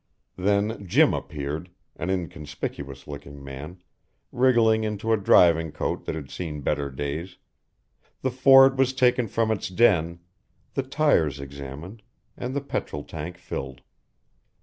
Then Jim appeared, an inconspicuous looking man, wriggling into a driving coat that had seen better days, the Ford was taken from its den, the tyres examined, and the petrol tank filled.